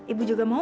ibu juga mau